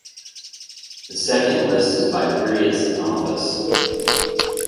The second list is by periods in office.